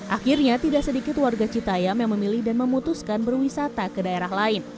akhirnya tidak sedikit warga citayam yang memilih dan memutuskan berwisata ke daerah lain